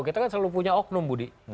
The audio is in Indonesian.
kita kan selalu punya oknum budi